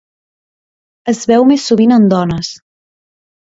Es veu més sovint en dones.